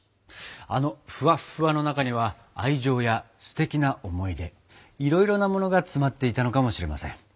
あのふわっふわの中には愛情やすてきな思い出いろいろなものが詰まっていたのかもしれません。